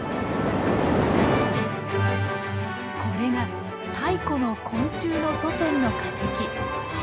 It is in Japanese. これが最古の昆虫の祖先の化石。